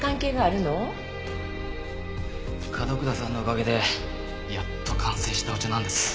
角倉さんのおかげでやっと完成したお茶なんです。